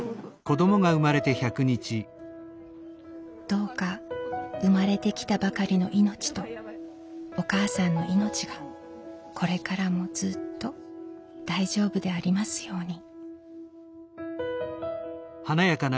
どうか生まれてきたばかりのいのちとお母さんのいのちがこれからもずっと大丈夫でありますように。